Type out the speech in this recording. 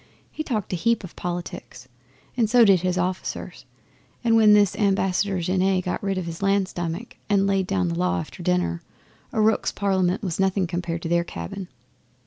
He talked a heap of politics, and so did his officers, and when this Ambassador Genet got rid of his land stomach and laid down the law after dinner, a rooks' parliament was nothing compared to their cabin.